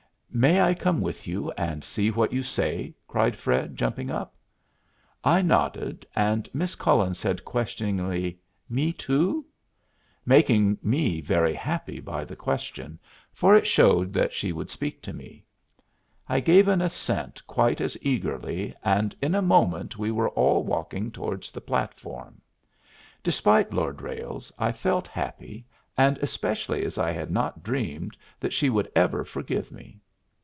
"May I come with you and see what you say?" cried Fred, jumping up. I nodded, and Miss Cullen said, questioningly, "Me too?" making me very happy by the question, for it showed that she would speak to me. I gave an assent quite as eagerly and in a moment we were all walking towards the platform. Despite Lord Ralles, I felt happy, and especially as I had not dreamed that she would ever forgive me.